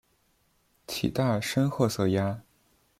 体大深褐色鸭。